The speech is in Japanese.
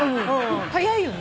早いよね。